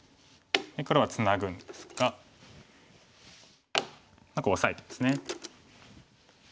黒はツナぐんですがオサえてですね。